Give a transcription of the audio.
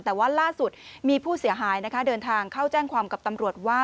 แต่ว่าล่าสุดมีผู้เสียหายนะคะเดินทางเข้าแจ้งความกับตำรวจว่า